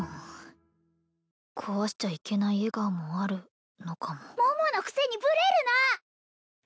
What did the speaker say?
壊しちゃいけない笑顔もあるのかも桃のくせにブレるな！